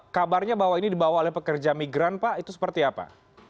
kabarnya bahwa ini dibawa oleh pekerja migran pak itu seperti apa